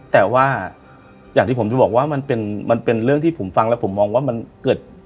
แต่ว่าอย่างที่ผมจะบอกว่ามันเป็นเรื่องที่ผมฟังแล้วผมมองว่ามันเกิด